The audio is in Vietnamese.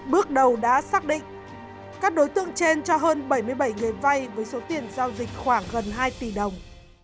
bước đầu đã xác định các đối tượng trên cho hơn bảy mươi bảy người vay với số tiền giao dịch khoảng gần hai tỷ đồng